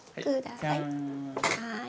はい。